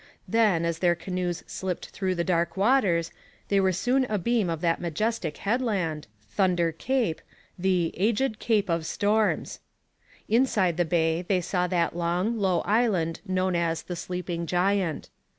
Then, as their canoes slipped through the dark waters, they were soon abeam of that majestic headland, Thunder Cape, 'the agèd Cape of Storms.' Inside the bay they saw that long, low island known as the Sleeping Giant.